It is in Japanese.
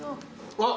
あっ。